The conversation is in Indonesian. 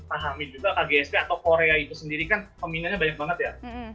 pahami juga kgsp atau korea itu sendiri kan peminatnya banyak banget ya